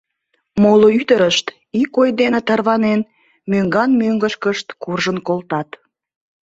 Моло ӱдырышт, ик ой дене тарванен, мӧҥган-мӧҥгышкышт куржын колтат.